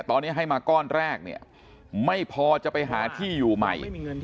ตอนนี้ให้มาก้อนแรกเนี่ยไม่พอจะไปหาที่อยู่ใหม่